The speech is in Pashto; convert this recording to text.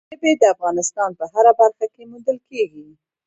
ژبې د افغانستان په هره برخه کې موندل کېږي.